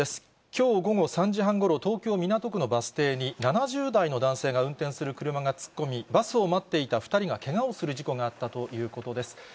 きょう午後３時半ごろ、東京・港区のバス停に７０代の男性が運転する車が突っ込み、バスを待っていた２人がけがをする事故があったということです。